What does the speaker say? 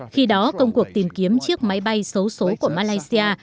khi đó công cuộc tìm kiếm chiếc máy bay số số của malaysia